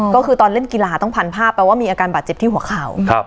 ก็คือตอนเล่นกีฬาต้องพันภาพแปลว่ามีอาการบาดเจ็บที่หัวเข่า